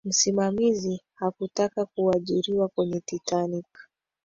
msimamizi hakutaka kuajiriwa kwenye titanic